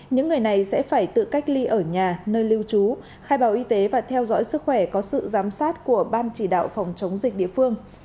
những người này sẽ phải tự cách ly ở nhà nơi lưu trú khai báo y tế và theo dõi sức khỏe có sự giám sát của ban chỉ đạo phòng chống dịch địa phương